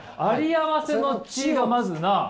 「ありあわせの知」がまずな。